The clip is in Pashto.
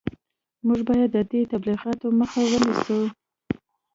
موږ باید د دې تبلیغاتو مخه ونیسو